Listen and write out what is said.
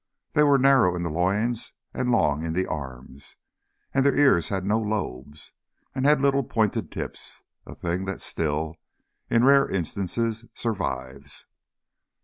They were narrow in the loins and long in the arms. And their ears had no lobes, and had little pointed tips, a thing that still, in rare instances, survives.